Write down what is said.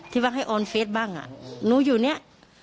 ที่ว่าให้ออนเฟซบ้างอะหนูอยู่เนี่ย